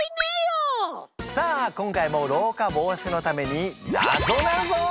さあ今回も老化防止のためになぞなぞ！